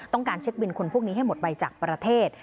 เช็คบินคนพวกนี้ให้หมดไปจากประเทศ